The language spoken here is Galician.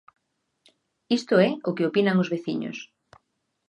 Isto é o que opinan os veciños.